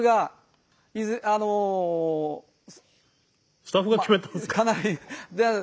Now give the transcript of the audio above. スタッフが決めたんですか？